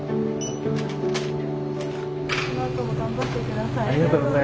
このあとも頑張って下さい。